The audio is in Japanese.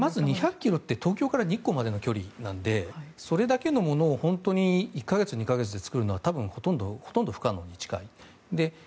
まず２００ｋｍって東京から日光までの距離なのでそれだけのものを本当に１か月、２か月で作るのは多分、ほとんど不可能に近い。